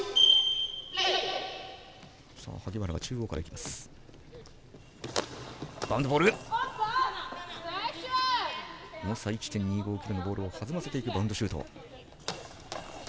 重さ１．２５ｋｇのボールを弾ませていくバウンドシュート。